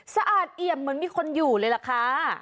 สะอาดเอี่ยมเหมือนมีคนอยู่เลยล่ะค่ะ